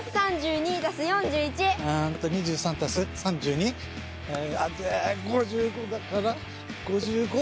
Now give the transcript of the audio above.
２３＋３２？で５５だから５５？